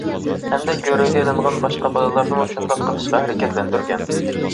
ھەمدە گۆرۈگە ئېلىنغان باشقا بالىلارنىمۇ شۇنداق قىلىشقا ھەرىكەتلەندۈرگەن.